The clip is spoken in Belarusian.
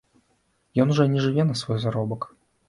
Ён жа не жыве на свой заробак.